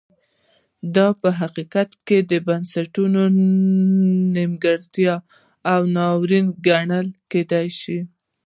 دا په حقیقت کې د بنسټونو نیمګړتیا او ناورین ګڼل کېدای شي.